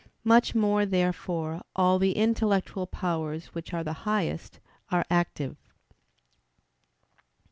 Much more, therefore, all the intellectual powers, which are the highest, are active.